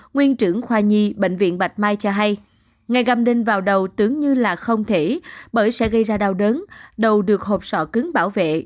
nguyên trưởng khoa nhi bệnh viện bạch mai cho hay ngày găm đinh vào đầu tưởng như là không thể bởi sẽ gây ra đau đớn đầu được hộp sọ cứng bảo vệ